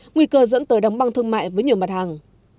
nguy cơ dẫn tới đóng băng thương mại với nhiều mặt hàng